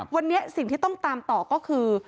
วันนี้สิ่งที่ต้องตามต่อก็คือ